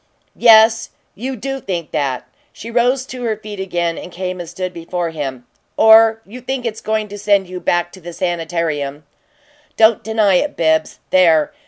"Yes, you do think that!" She rose to her feet again and came and stood before him. "Or you think it's going to send you back to the sanitarium. Don't deny it, Bibbs. There!